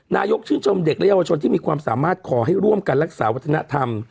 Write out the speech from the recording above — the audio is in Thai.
นายกชื่นชมเด็กและเยาวชนที่มีความสามารถขอให้ร่วมกันรักษาวัฒนธรรม